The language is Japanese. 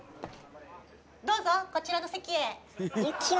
どうぞこちらの席へ。